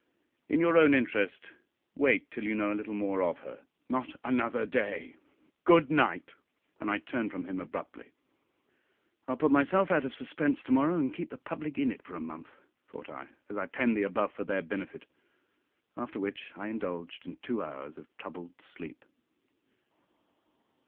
"In your own interest, wait till you know a little more of her." "Not another day! Good night!" and I turned from him abruptly. "I'll put myself out of suspense to morrow, and keep the public in it for a month," thought I, as I penned the above for their benefit, after which I indulged in two hours of troubled sleep.